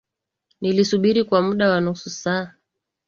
Nilisubiri kwa muda wa nusu saa.